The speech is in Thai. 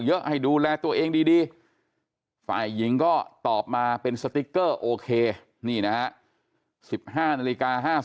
ให้ดูแลตัวเองดีฝ่ายหญิงก็ตอบมาเป็นสติ๊กเกอร์โอเคนี่นะฮะ๑๕นาฬิกา๕๐